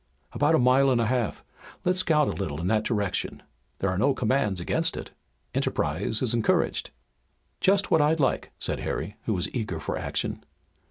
"About a mile and a half. Let's scout a little in that direction. There are no commands against it. Enterprise is encouraged." "Just what I'd like," said Harry, who was eager for action.